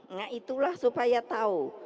nah itulah supaya tahu